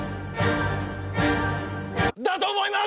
だと思います！